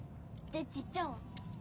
でじっちゃんは？